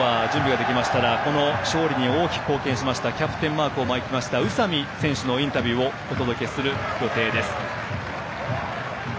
勝利に大きく貢献しましたキャプテンマークを巻きました宇佐美選手のインタビューをお届けする予定です。